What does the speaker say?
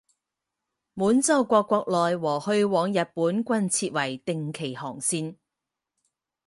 满洲国国内和去往日本均设为定期航线。